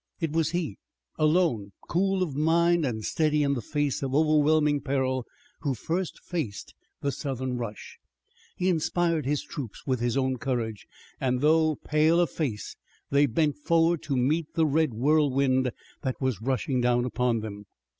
It was he, alone, cool of mind and steady in the face of overwhelming peril, who first faced the Southern rush. He inspired his troops with his own courage, and, though pale of face, they bent forward to meet the red whirlwind that was rushing down upon them.